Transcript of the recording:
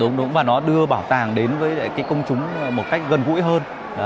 đúng đúng và nó đưa bảo tàng đến với cái công chúng một cách gần gũi hơn